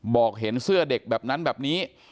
บอกเห็นเสื้อเด็กแบบนั้นแบบนี้